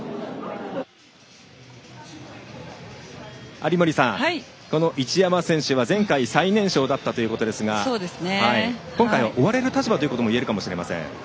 有森さん、この一山選手は前回最年少だったということですが今回は追われる立場といえるかもしれません。